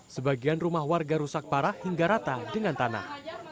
sebagian rumah warga rusak parah hingga rata dengan tanah